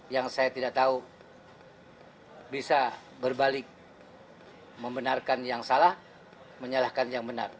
yang saya tidak tahu bisa berbalik membenarkan yang salah menyalahkan yang benar